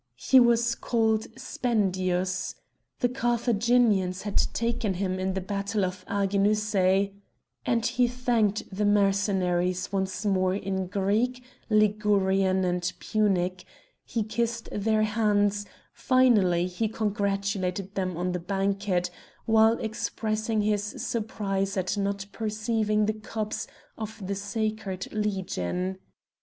He was called Spendius. The Carthaginians had taken him in the battle of Æginusæ, and he thanked the Mercenaries once more in Greek, Ligurian and Punic; he kissed their hands; finally, he congratulated them on the banquet, while expressing his surprise at not perceiving the cups of the Sacred Legion.